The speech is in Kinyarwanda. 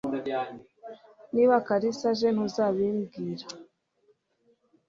Niba Kalisa aje ntuzabimbwira